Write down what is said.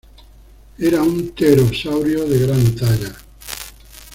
Era un pterosaurio de gran talla.